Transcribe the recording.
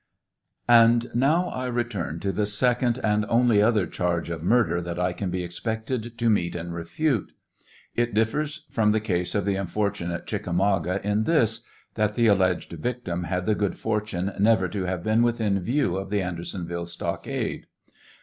And now I return to the second and only other charge of murder that I can be expected to meet and refute. It differs from the case of the unfortunate Chickamauga in this, that the alleged victim had the good fortune never to have been within view of the Andersonville stockade.